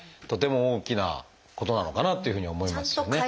とても大きなことなのかなというふうに思いますよね。